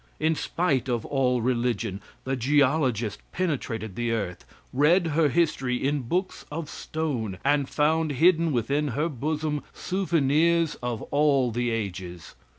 In spite of all religion, the geologist penetrated the earth, read her history in books of stone, and found hidden within her bosom, souvenirs of all the ages.